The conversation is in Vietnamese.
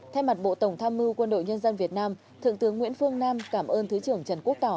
thay mặt bộ tổng tham mưu quân đội nhân dân việt nam thượng tướng nguyễn phương nam cảm ơn thứ trưởng trần quốc tỏ